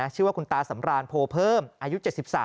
ชื่อว่าคุณตาสำรานโพเพิ่มอายุ๗๓